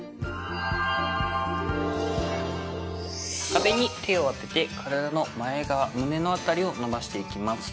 壁に手を当てて体の前側胸の辺りを伸ばしていきます。